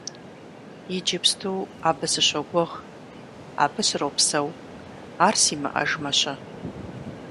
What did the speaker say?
Иджыпсту абы сыщогугъ, абы сропсэу, ар симыӀэжмэ-щэ?